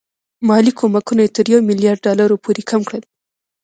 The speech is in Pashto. مالي کومکونه یې تر یو میلیارډ ډالرو پورې کم کړل.